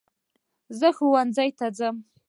زه ښوونځی ته ځم